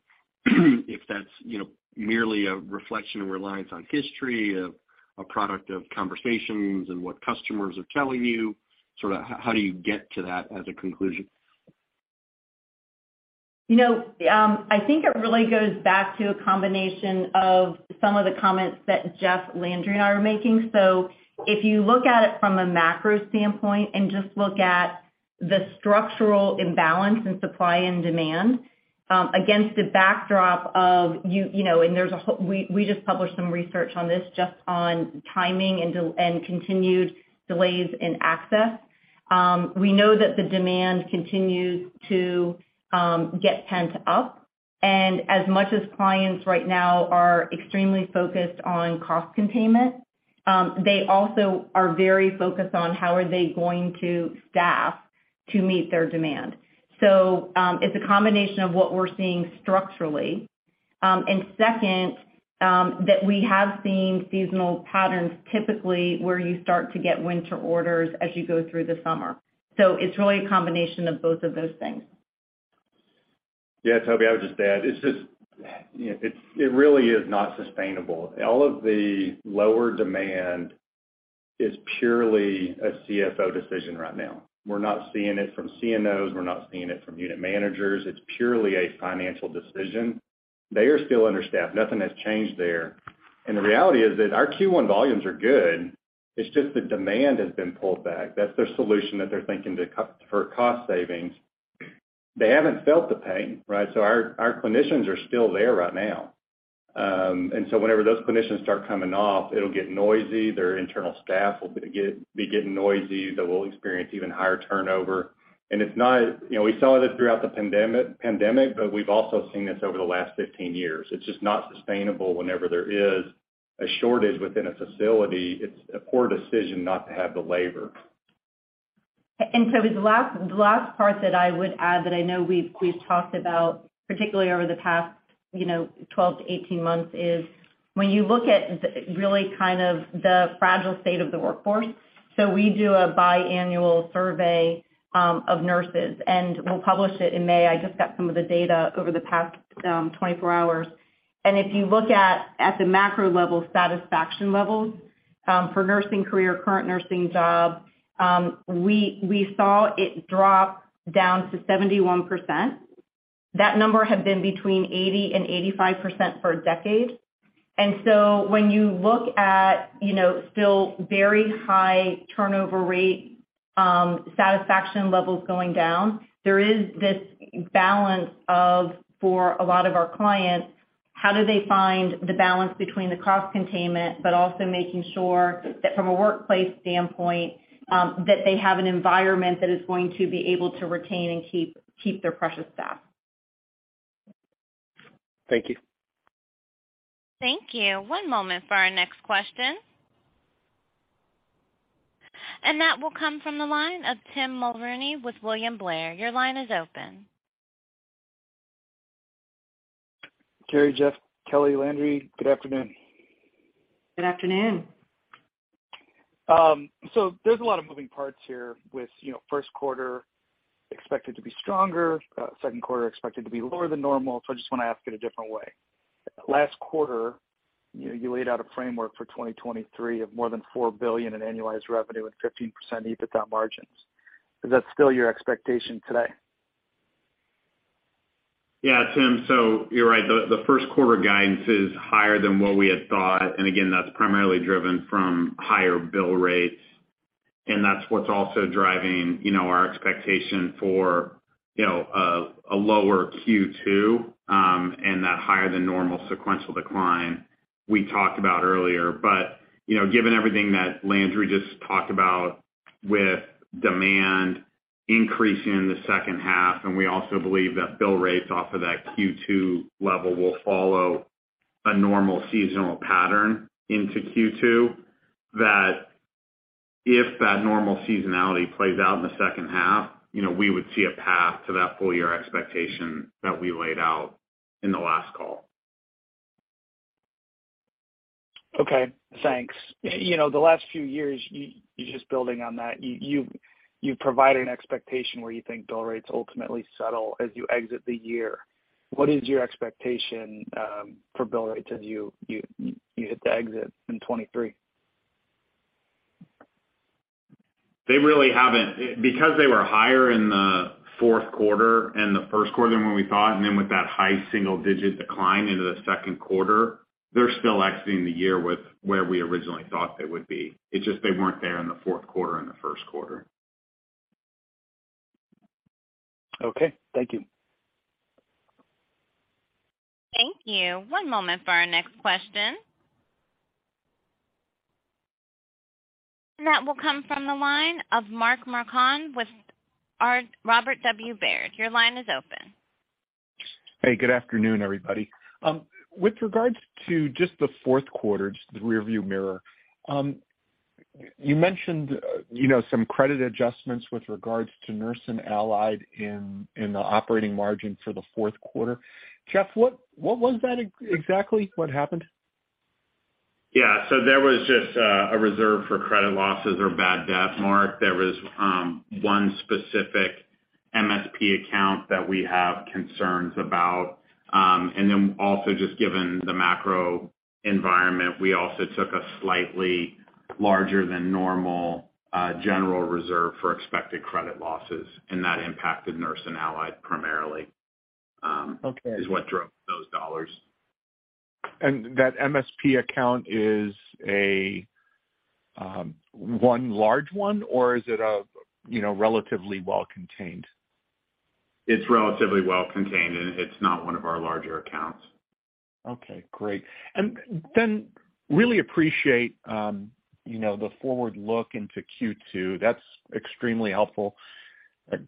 if that's, you know, merely a reflection and reliance on history of a product of conversations and what customers are telling you, how do you get to that as a conclusion? You know, I think it really goes back to a combination of some of the comments that Jeff, Landry and I are making. If you look at it from a macro standpoint and just look at the structural imbalance in supply and demand, against the backdrop of you know, We just published some research on this just on timing and continued delays in access. We know that the demand continues to get pent up. As much as clients right now are extremely focused on cost containment, they also are very focused on how are they going to staff to meet their demand. It's a combination of what we're seeing structurally. Second, that we have seen seasonal patterns typically where you start to get winter orders as you go through the summer. It's really a combination of both of those things. Yeah, Tobey Sommer, I would just add, you know, it really is not sustainable. All of the lower demand is purely a CFO decision right now. We're not seeing it from CNOs, we're not seeing it from unit managers. It's purely a financial decision. They are still understaffed. Nothing has changed there. The reality is that our Q1 volumes are good. It's just the demand has been pulled back. That's their solution that they're thinking to cut for cost savings. They haven't felt the pain, right? Our clinicians are still there right now. Whenever those clinicians start coming off, it'll get noisy, their internal staff will be getting noisy. They will experience even higher turnover. It's not, you know, we saw this throughout the pandemic, but we've also seen this over the last 15 years. It's just not sustainable whenever there is a shortage within a facility, it's a poor decision not to have the labor. Tobey Sommer, the last part that I would add that I know we've talked about, particularly over the past, you know, 12-18 months, is when you look at the, really kind of the fragile state of the workforce. We do a biannual survey of nurses, and we'll publish it in May. I just got some of the data over the past 24 hours. If you look at the macro level satisfaction levels, for nursing career, current nursing job, we saw it drop down to 71%. That number had been between 80%-85% for 10 years. When you look at, you know, still very high turnover rate, satisfaction levels going down, there is this balance of, for a lot of our clients, how do they find the balance between the cost containment, but also making sure that from a workplace standpoint, that they have an environment that is going to be able to retain and keep their precious staff. Thank you. Thank you. One moment for our next question. That will come from the line of Tim Mulrooney with William Blair. Your line is open. Cary, Jeff, Kelly, Landry, good afternoon. Good afternoon. There's a lot of moving parts here with, you know, Q1 expected to be stronger, Q2 expected to be lower than normal. I just wanna ask it a different way. Last quarter, you laid out a framework for 2023 of more than $4 billion in annualized revenue and 15% EBITDA margins. Is that still your expectation today? Tim. You're right. The Q1 guidance is higher than what we had thought. Again, that's primarily driven from higher bill rates. That's what's also driving, you know, our expectation for, you know, a lower Q2 and that higher than normal sequential decline we talked about earlier. You know, given everything that Landry just talked about with demand increasing in the second half, and we also believe that bill rates off of that Q2 level will follow a normal seasonal pattern into Q2, that if that normal seasonality plays out in the second half, you know, we would see a path to that full year expectation that we laid out in the last call. Okay, thanks. You know, the last few years, you just building on that, you've provided an expectation where you think bill rates ultimately settle as you exit the year. What is your expectation for bill rates as you hit the exit in 2023? They really haven't. They were higher in the Q4 and the Q1 than what we thought. With that high single-digit decline into the Q2, they're still exiting the year with where we originally thought they would be. It's just they weren't there in the Q4 and the Q1. Okay. Thank you. Thank you. One moment for our next question. That will come from the line of Mark Marcon with Robert W. Baird. Your line is open. Hey, good afternoon, everybody. With regards to just the Q4, just the rearview mirror, you mentioned, you know, some credit adjustments with regards to Nurse and Allied in the operating margin for the Q4. Jeff, what was that exactly? What happened? Yeah. There was just a reserve for credit losses or bad debt, Mark. There was one specific MSP account that we have concerns about. Also just given the macro environment, we also took a slightly larger than normal general reserve for expected credit losses, and that impacted Nurse and Allied primarily. Okay -is what drove those dollars. That MSP account is one large one, or is it a, you know, relatively well contained? It's relatively well contained, and it's not one of our larger accounts. Okay, great. Really appreciate, you know, the forward look into Q2. That's extremely helpful.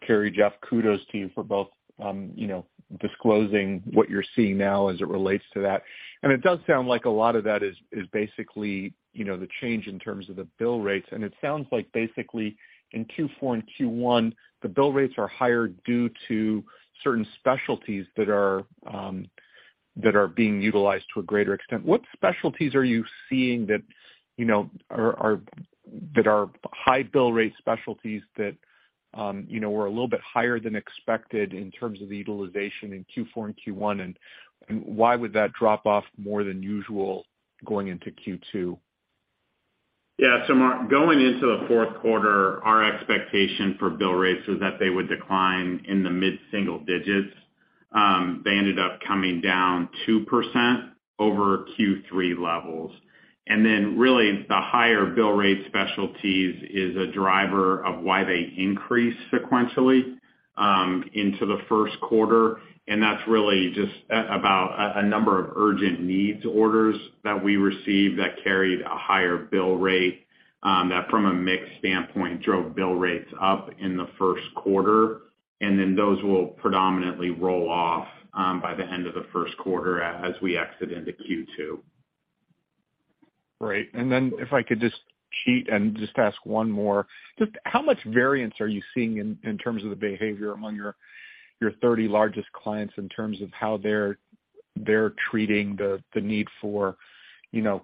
Cary Grace, Jeff Knudson, kudos to you for both, you know, disclosing what you're seeing now as it relates to that. It does sound like a lot of that is basically, you know, the change in terms of the bill rates. It sounds like basically in Q4 and Q1, the bill rates are higher due to certain specialties that are being utilized to a greater extent. What specialties are you seeing that, you know, are that are high bill rate specialties that, you know, were a little bit higher than expected in terms of the utilization in Q4 and Q1, and why would that drop off more than usual going into Q2? Yeah. Mark, going into the Q4, our expectation for bill rates was that they would decline in the mid-single digits. They ended up coming down 2% over Q3 levels. Really the higher bill rate specialties is a driver of why they increase sequentially, into the Q1. That's really just about a number of urgent needs orders that we received that a carried a higher bill rate, that from a mix standpoint, drove bill rates up in the Q1. Those will predominantly roll off, by the end of the Q1 as we exit into Q2. Great. Then if I could just cheat and just ask one more. Just how much variance are you seeing in terms of the behavior among your 30 largest clients in terms of how they're treating the need for, you know,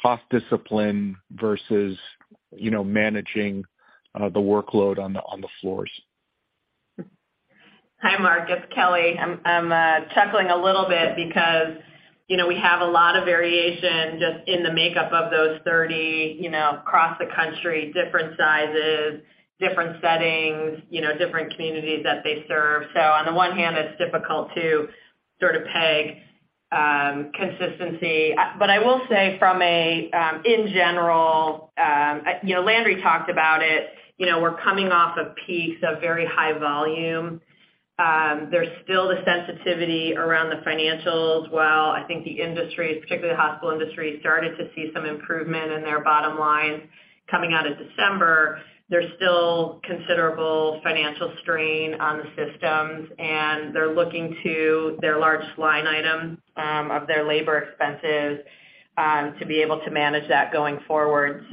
cost discipline versus, you know, managing the workload on the floors? Hi, Mark, it's Kelly. I'm chuckling a little bit because, you know, we have a lot of variation just in the makeup of those 30, you know, across the country, different sizes, different settings, you know, different communities that they serve. On the one hand, it's difficult to sort of peg consistency. But I will say from a in general, you know, Landry talked about it, you know, we're coming off of peaks of very high volume. There's still the sensitivity around the financials. While I think the industry, particularly the hospital industry, started to see some improvement in their bottom line coming out of December, there's still considerable financial strain on the systems, and they're looking to their largest line item of their labor expenses to be able to manage that going forward.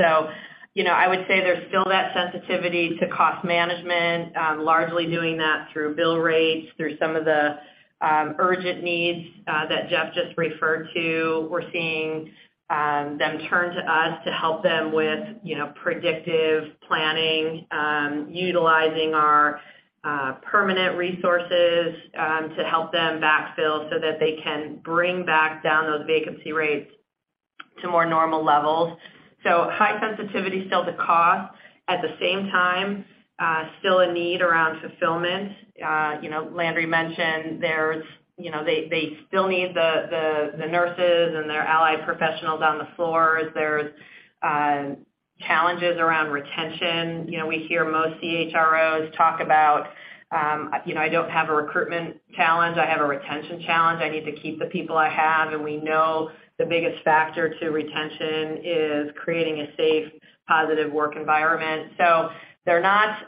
You know, I would say there's still that sensitivity to cost management, largely doing that through bill rates, through some of the urgent needs that Jeff just referred to. We're seeing them turn to us to help them with, you know, predictive planning, utilizing our permanent resources to help them backfill so that they can bring back down those vacancy rates to more normal levels. High sensitivity still to cost. At the same time, still a need around fulfillment. You know, Landry mentioned there's, you know, they still need the nurses and their allied professionals on the floors. There's challenges around retention. You know, we hear most CHROs talk about, you know, I don't have a recruitment challenge, I have a retention challenge. I need to keep the people I have, and we know the biggest factor to retention is creating a safe, positive work environment. They're not,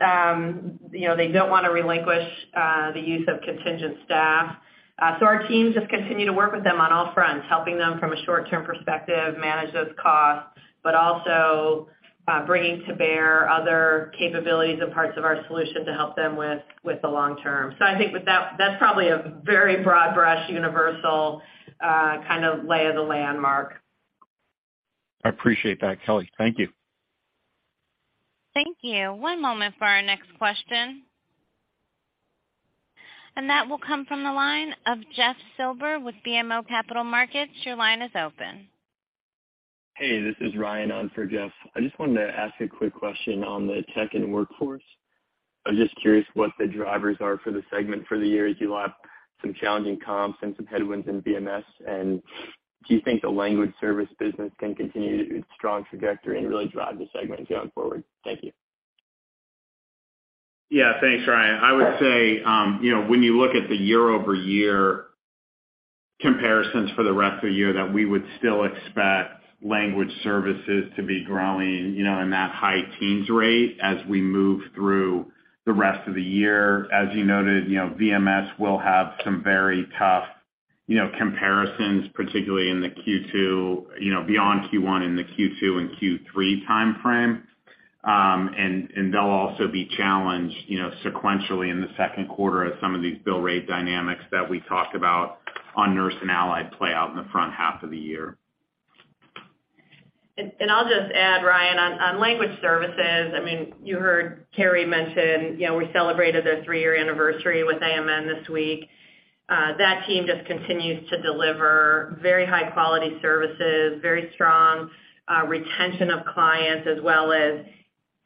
you know, they don't wanna relinquish the use of contingent staff. Our teams just continue to work with them on all fronts, helping them from a short-term perspective, manage those costs, but also bringing to bear other capabilities and parts of our solution to help them with the long term. I think with that's probably a very broad brush, universal, kind of lay of the land, Mark. I appreciate that, Kelly. Thank you. Thank you. One moment for our next question. That will come from the line of Jeff Silber with BMO Capital Markets. Your line is open. Hey, this is Ryan on for Jeff. I just wanted to ask a quick question on the Tech and Workforce. I was just curious what the drivers are for the segment for the year as you lap some challenging comps and some headwinds in VMS. Do you think the language service business can continue its strong trajectory and really drive the segment going forward? Thank you. Yeah. Thanks, Ryan. I would say, you know, when you look at the year-over-year comparisons for the rest of the year, that we would still expect language services to be growing, you know, in that high teens rate as we move through the rest of the year. As you noted, you know, VMS will have some very tough, you know, comparisons, particularly in the Q2, you know, beyond Q1, in the Q2 and Q3 timeframe. They'll also be challenged, you know, sequentially in the Q2 as some of these bill rate dynamics that we talked about on Nurse and Allied play out in the front half of the year. I'll just add, Ryan, on language services, I mean, you heard Cary mention, you know, we celebrated a three-year anniversary with AMN this week. That team just continues to deliver very high quality services, very strong retention of clients, as well as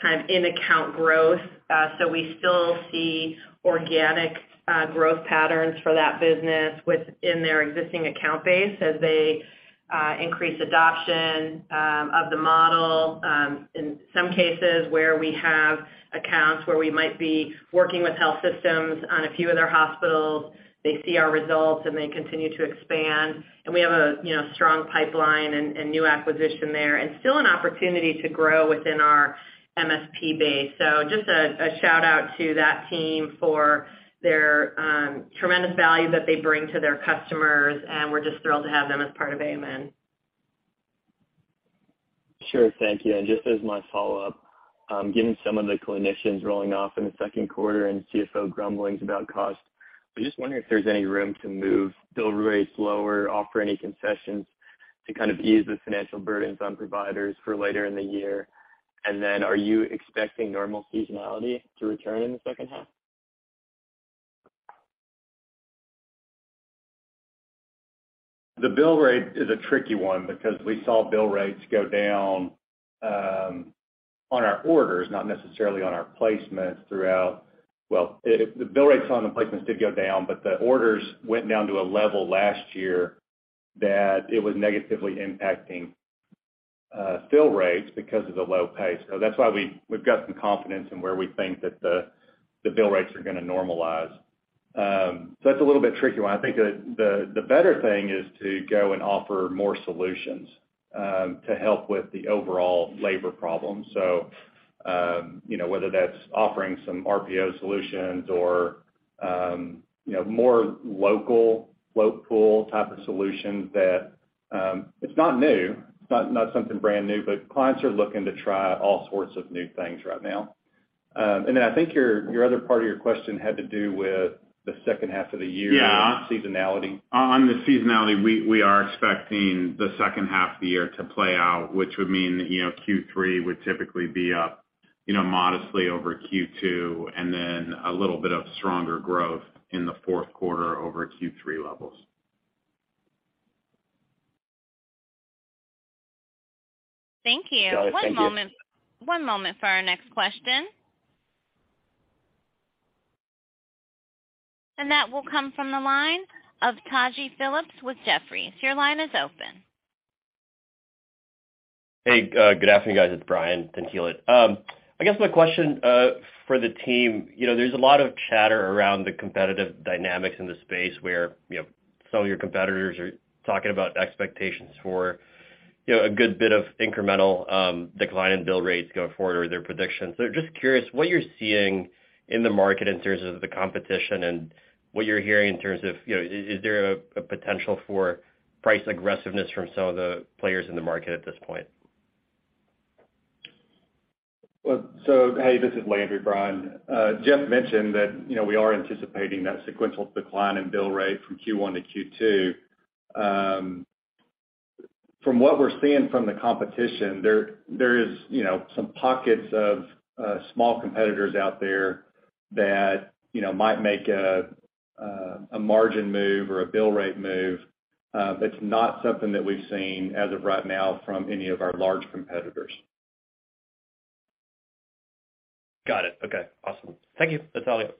kind of in-account growth. We still see organic growth patterns for that business within their existing account base as they increase adoption of the model. In some cases where we have accounts where we might be working with health systems on a few of their hospitals, they see our results, and they continue to expand. We have a, you know, strong pipeline and new acquisition there, and still an opportunity to grow within our MSP base. Just a shout-out to that team for their tremendous value that they bring to their customers, and we're just thrilled to have them as part of AMN. Sure. Thank you. Just as my follow-up, given some of the clinicians rolling off in the Q2 and CFO grumblings about cost, I'm just wondering if there's any room to move bill rates lower, offer any concessions to kind of ease the financial burdens on providers for later in the year? Are you expecting normal seasonality to return in the second half? The bill rate is a tricky one because we saw bill rates go down on our orders, not necessarily on our placements throughout. The bill rates on the placements did go down, but the orders went down to a level last year that it was negatively impacting bill rates because of the low pay. That's why we've got some confidence in where we think that the bill rates are gonna normalize. That's a little bit tricky one. I think the, the better thing is to go and offer more solutions to help with the overall labor problem. You know, whether that's offering some RPO solutions or, you know, more local float pool type of solutions that. It's not new. It's not something brand new, but clients are looking to try all sorts of new things right now. Then I think your other part of your question had to do with the second half of the year. Yeah. -seasonality. On the seasonality, we are expecting the second half of the year to play out, which would mean, you know, Q3 would typically be up, you know, modestly over Q2, and then a little bit of stronger growth in the Q4 over Q3 levels. Thank you. Got it. Thank you. One moment. One moment for our next question. That will come from the line of Taji Phillips with Jefferies. Your line is open. Hey, good afternoon, guys. It's Brian Tanquilut. I guess my question for the team, you know, there's a lot of chatter around the competitive dynamics in the space where, you know, some of your competitors are talking about expectations for, you know, a good bit of incremental decline in bill rates going forward or their predictions. Just curious what you're seeing in the market in terms of the competition and what you're hearing in terms of, you know, is there a potential for price aggressiveness from some of the players in the market at this point? Hey, this is Landry, Brian. Jeff mentioned that, you know, we are anticipating that sequential decline in bill rate from Q1 to Q2. From what we're seeing from the competition there is, you know, some pockets of small competitors out there that, you know, might make a margin move or a bill rate move. That's not something that we've seen as of right now from any of our large competitors. Got it. Okay, awesome. Thank you. That's all I got.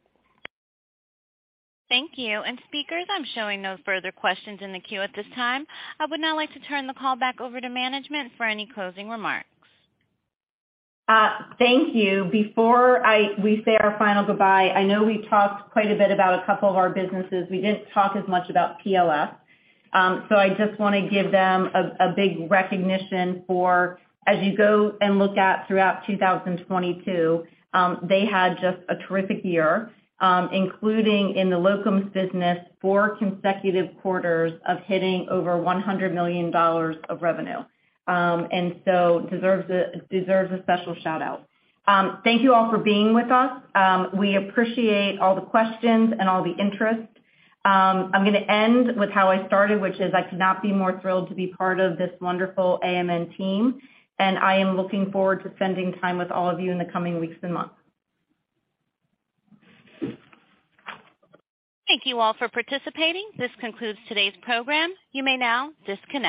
Thank you. Speakers, I'm showing no further questions in the queue at this time. I would now like to turn the call back over to management for any closing remarks. Thank you. Before we say our final goodbye, I know we talked quite a bit about a couple of our businesses. We didn't talk as much about PLS. I just wanna give them a big recognition for, as you go and look at throughout 2022, they had just a terrific year, including in the Locums business, four consecutive quarters of hitting over $100 million of revenue. deserves a, deserves a special shout-out. Thank you all for being with us. We appreciate all the questions and all the interest. I'm gonna end with how I started, which is I could not be more thrilled to be part of this wonderful AMN team, and I am looking forward to spending time with all of you in the coming weeks and months. Thank you all for participating. This concludes today's program. You may now disconnect.